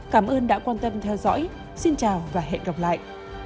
cảm ơn đã quan tâm theo dõi xin chào và hẹn gặp lại